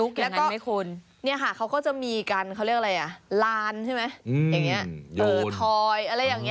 เขาเรียกจะมีการลานแบบทอยสินะ